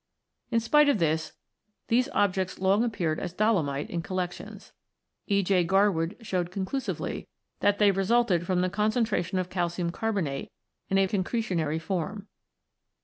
In spite of this, these objects long appeared as dolomite in collections. E. J. Garwood(n) showed conclusively that they resulted from the concentration of calcium carbonate in a concretionary form.